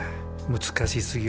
難しすぎる。